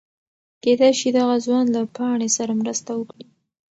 کېدی شي دغه ځوان له پاڼې سره مرسته وکړي.